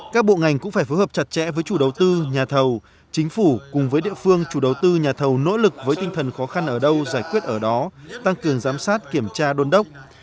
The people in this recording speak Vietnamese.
các bộ ngành cũng phải phối hợp chặt chẽ với chủ đầu tư nhà thầu chính phủ cùng với địa phương chủ đầu tư nhà thầu nỗ lực với tinh thần khó khăn ở đâu giải quyết ở đó tăng cường giám sát kiểm tra đôn đốc